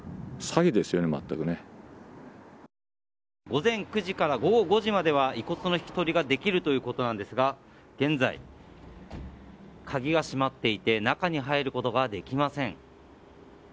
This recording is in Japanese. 午前９時から午後５時までは遺骨の引き取りができるということなんですが現在、鍵が閉まっていて中に入ることができません。